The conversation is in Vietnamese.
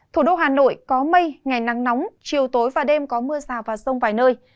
thủ đô hà nội có mây ngày nắng nóng chiều tối và đêm có mưa rào và rông vài nơi